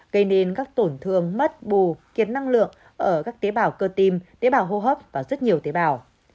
gây nên các tổn thương mất bù kiệt năng lượng ở các tế bào cơ tim tế bào hô hấp và rất nhiều tế bào